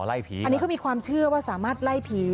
อันนี้เขามีความเชื่อว่าสามารถไล่ผี